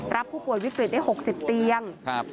รับผู้ป่วยวิกฤตได้๖๐เตียง